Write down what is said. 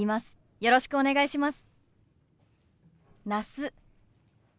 よろしくお願いします。